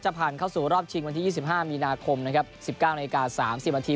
ผ่านเข้าสู่รอบชิงวันที่๒๕มีนาคมนะครับ๑๙นาที๓๐นาที